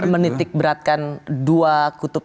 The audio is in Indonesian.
menitik beratkan dua kutub